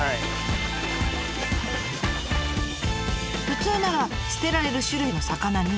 普通なら捨てられる種類の魚に。